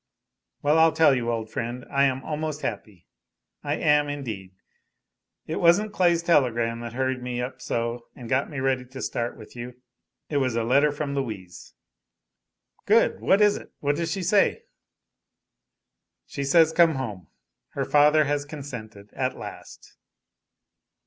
"Well, I'll tell you, old friend. I am almost happy. I am, indeed. It wasn't Clay's telegram that hurried me up so and got me ready to start with you. It was a letter from Louise." "Good! What is it? What does she say?" "She says come home her father has consented, at last."